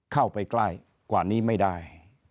เข้าไปใกล้กว่านี้ไม่ได้